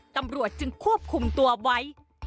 ตำรวจจึงควบคุมตัวไว้